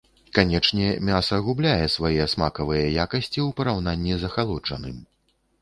Канечне, мяса губляе свае смакавыя якасці у параўнанні з ахалоджаным.